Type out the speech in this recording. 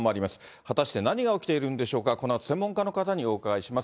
果たして何が起きているんでしょうか、このあと専門家の方にお伺いします。